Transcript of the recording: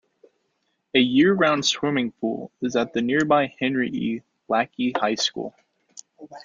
A year-round swimming pool is at the nearby Henry E. Lackey High School.